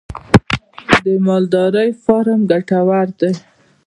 د مالدارۍ فارم ګټور دی؟